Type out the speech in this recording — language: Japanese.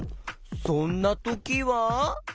そんなときは。